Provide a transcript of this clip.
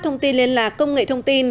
thông tin liên lạc công nghệ thông tin